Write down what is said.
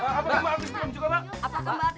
mas jangan nyalah